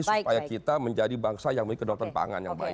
supaya kita menjadi bangsa yang memiliki kedokteran pangan yang baik